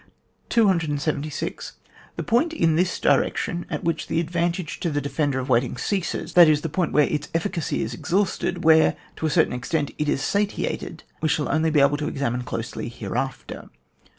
276. The point in this direction at which the advantage to the defender of waiting ceases, that is, the point where its efficacy is exhausted, where, to a cer tain extent it is satiated, we shall only be able to examine closely hereafter.